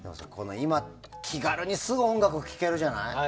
気軽にすぐ音楽聴けるじゃない。